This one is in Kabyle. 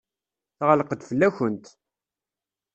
Teɣleq-d fell-akent.